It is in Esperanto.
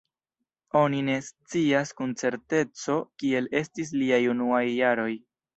Oni ne scias kun certeco kiel estis liaj unuaj jaroj.